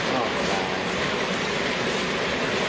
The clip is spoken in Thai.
พร้อมทุกสิทธิ์